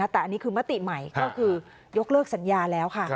แต่อันนี้คือมติใหม่ก็คือยกเลิกสัญญาแล้วค่ะ